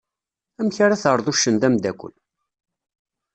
Amek ara terreḍ uccen d amdakel?